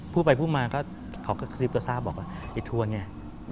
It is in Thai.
พอไปพูดมาเขาก็กระซิบกระซาบบอกว่าไอ้ทวนเนี่ย